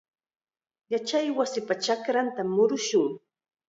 Yachaywasipa chakrantam murushun.